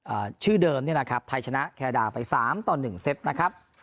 ชื่อเดิมเนี่ยนะครับไทยชนะแคนาดาไปสามต่อหนึ่งเซตนะครับ